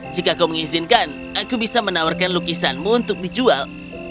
jika kau mengizinkan aku bisa menawarkan lukisanmu untuk dijual